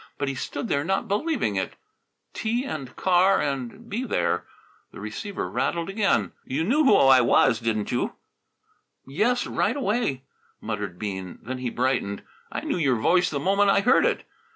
But he stood there not believing it tea and car and be there The receiver rattled again. "You knew who I was, didn't you?" "Yes, right away," muttered Bean. Then he brightened. "I knew your voice the moment I heard it."